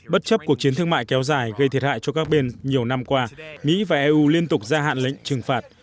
bất chấp cuộc chiến thương mại kéo dài gây thiệt hại cho các bên nhiều năm qua mỹ và eu liên tục gia hạn lệnh trừng phạt